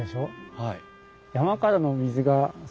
はい。